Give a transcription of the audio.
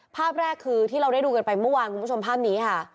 ภาพแรกคือที่เราได้ดูกันไปเมื่อวานคุณผู้ชมภาพนี้ค่ะ